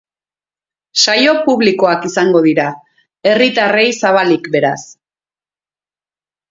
Saio publikoak izango dira, herritarrei zabalik, beraz.